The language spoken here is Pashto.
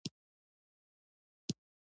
د خپلو وړتیاوو پراختیا د ژوند کیفیت لوړوي.